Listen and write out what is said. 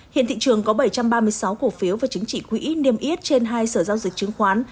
hiện thị trường có bảy trăm ba mươi sáu cổ phiếu và chứng chỉ quỹ niêm yết trên hai sở giao dịch chứng khoán